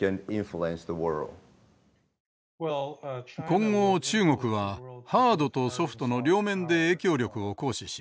今後中国はハードとソフトの両面で影響力を行使します。